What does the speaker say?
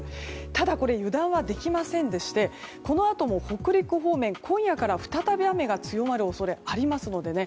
ただ油断はできませんでしてこのあとも北陸方面今夜から再び雨が強まる恐れがありますのでね